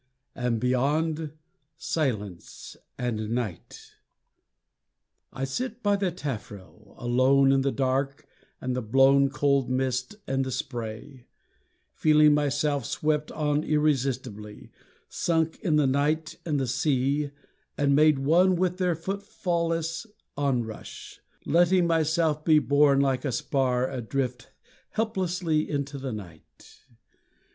And beyond Silence and night! I sit by the taffrail, Alone in the dark and the blown cold mist and the spray, Feeling myself swept on irresistibly, Sunk in the night and the sea, and made one with their footfall less onrush, Letting myself be borne like a spar adrift Helplessly into the night.